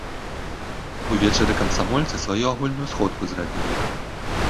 Увечары камсамольцы сваю агульную сходку зрабілі.